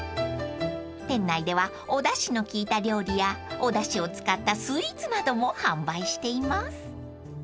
［店内ではおだしの効いた料理やおだしを使ったスイーツなども販売しています］